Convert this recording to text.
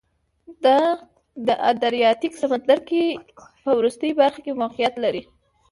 دا د ادریاتیک سمندرګي په وروستۍ برخه کې موقعیت لري